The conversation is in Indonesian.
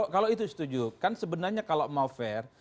kalau itu setuju kan sebenarnya kalau mau fair